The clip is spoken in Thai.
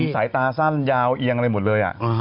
สายตาสั้นยาวเอียงอะไรหมดเลย